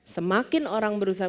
semakin orang berusaha